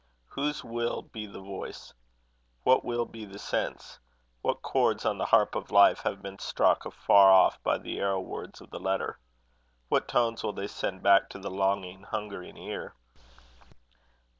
Whose will be the voice? What will be the sense? What chords on the harp of life have been struck afar off by the arrow words of the letter? What tones will they send back to the longing, hungering ear?